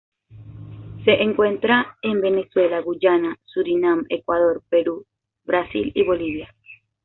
Se encuentra en Venezuela, Guyana, Surinam, Ecuador, Perú, Brasil y Bolivia.